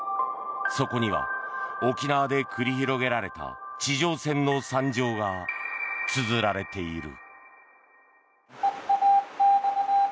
そこには沖縄で繰り広げられた地上戦の惨状がつづられている。